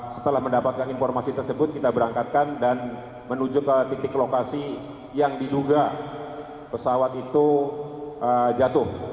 setelah mendapatkan informasi tersebut kita berangkatkan dan menuju ke titik lokasi yang diduga pesawat itu jatuh